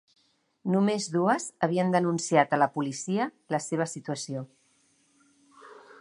Només dues havien denunciat a la policia la seva situació.